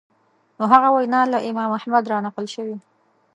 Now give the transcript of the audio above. نو هغه وینا له امام احمد رانقل شوې